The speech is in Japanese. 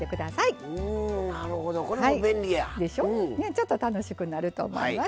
ちょっと楽しくなると思います。